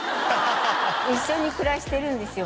一緒に暮らしてるんですよ